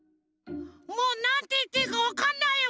もうなんていっていいかわかんないよ！